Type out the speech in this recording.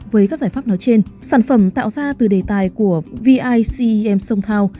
với các giải pháp nói trên sản phẩm tạo ra từ đề tài của vicem song thao